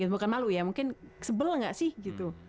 bukan malu ya mungkin sebel ga sih gitu